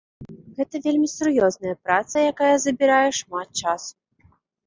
Гэта вельмі сур'ёзная праца, якая забірае шмат часу.